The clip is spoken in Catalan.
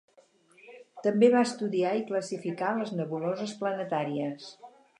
També va estudiar i classificar les nebuloses planetàries.